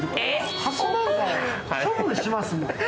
箱は処分しますもん。